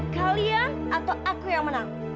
kalian atau aku yang menang